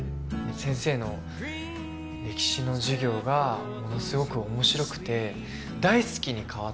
先生の歴史の授業がものすごく面白くて大好きに変わった。